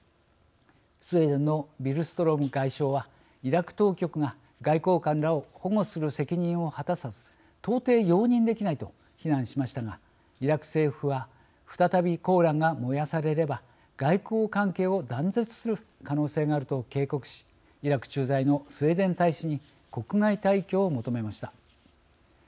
スウェーデンのビルストロム外相はイラク当局が外交官らを保護する責任を果たさず到底容認できないと非難しましたがイラク政府は再び「コーラン」が燃やされれば外交関係を断絶する可能性があると警告しイラク駐在のスウェーデン大使に国外退去を求めました。